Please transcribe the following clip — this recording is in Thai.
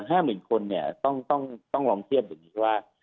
อันนี้๕๐๐๐๐คนต้องลองเชียบอย่างนี้ว่า